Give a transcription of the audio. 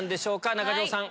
中条さん